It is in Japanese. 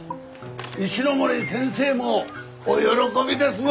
石森先生もお喜びですよ！